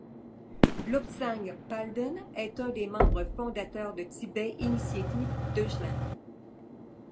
Lobsang Palden est un des membres fondateurs de Tibet Initiative Deutschland.